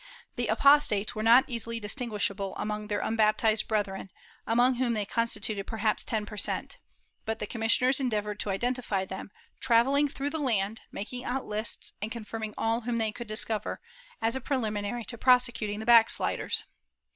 The apostates were not easily distinguishable among their unbaptized brethren, among whom they constituted perhaps ten per cent., but the commissioners endeavored to identify them, travelling through the land, making out lists, and confirming all whom they could discover, as a preliminary to prosecuting the backsliders.'